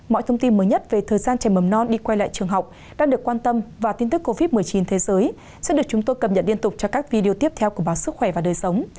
mọi thông tin mới nhất về thời gian trẻ mầm non đi quay lại trường học đang được quan tâm và tin tức covid một mươi chín thế giới sẽ được chúng tôi cập nhật liên tục cho các video tiếp theo của báo sức khỏe và đời sống